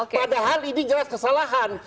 padahal ini jelas kesalahan